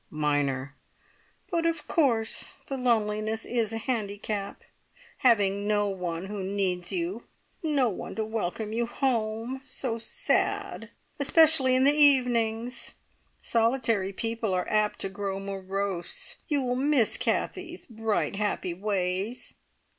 (Minor.) "But of course the loneliness is a handicap. Having no one who needs you, no one to welcome you home. So sad! Especially in the evenings! Solitary people are apt to grow morose. You will miss Kathie's bright happy ways.